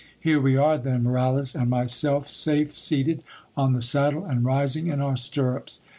Here we are, then, Moralez and myself, safe seated on the saddle, and rising in our stirrups.